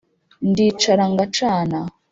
ndicara ngacana